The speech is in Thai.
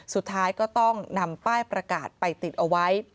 สุดท้ายก็ต้องนำป้ายประกาศไปติดเอาไว้